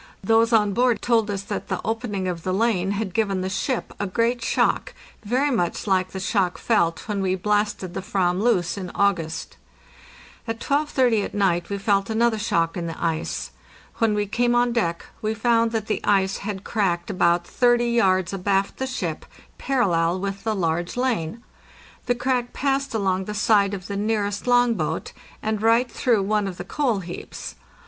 Those on board told us that the opening of the lane had given the ship a great shock, very much like the shock felt when we blasted the /vam loose in August. At 12.30 at night we felt another shock in the ice. When we came on deck we found that the ice had cracked about 30 yards abaft the ship, parallel with the large lane. The crack passed along the side of the nearest long boat, and right through one of the coal heaps.